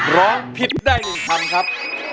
ร้องผิดได้๑คำครับ